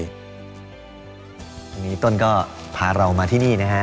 วันนี้ต้นก็พาเรามาที่นี่นะฮะ